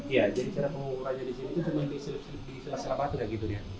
iya jadi pengukuran di sini itu cuma di silap silap di silap silap atur ya gitu ya